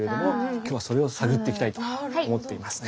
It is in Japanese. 今日はそれを探っていきたいと思っていますね。